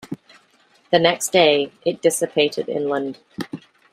The next day, it dissipated inland.